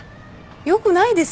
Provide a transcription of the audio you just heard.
よくないです。